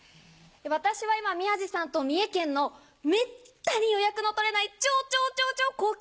私は今宮治さんと三重県のめったに予約の取れない超超超超高級